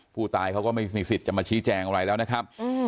ผู้ตายเขาก็ไม่มีสิทธิ์จะมาชี้แจงอะไรแล้วนะครับ